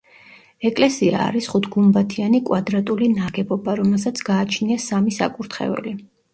ეკლესია არის ხუთგუმბათიანი კვადრატული ნაგებობა, რომელსაც გააჩნია სამი საკურთხეველი.